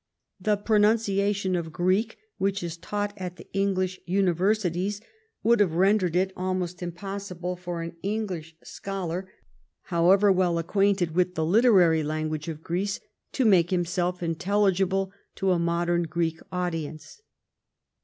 The pro nunciation of Greek which is taught at the Eng lish universities would have rendered it almost impossible for an English scholar, however well 1 68 THE STORY OF GLADSTONE'S LIFE acquainted with the literary language of Greece, to make himself intelligible to a modern Greek audience.